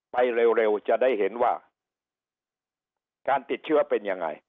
ไปเร็วจะได้เห็นว่าการติดเชื้อเป็นยังไง